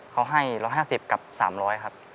เขาให้๑๕๐กับ๓๐๐ครับ